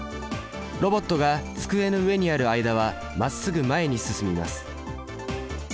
ロボットが机の上にある間はまっすぐ前に進みます。